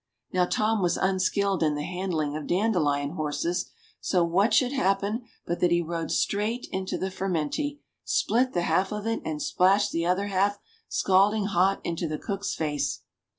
Now Tom was unskilled in the handling of dandelion horses, so what should happen but that he rode straight into the fur menty, spilt the half of it, and splashed the other half, scalding hot, into the cook's face.